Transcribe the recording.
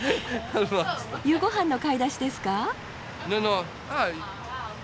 夕ごはんの買い出しですか？